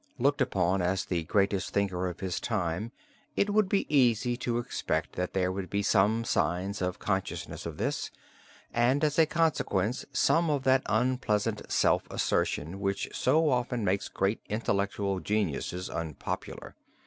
Looked upon as the greatest thinker of his time it would be easy to expect that there should be some signs of consciousness of this, and as a consequence some of that unpleasant self assertion which so often makes great intellectual geniuses unpopular.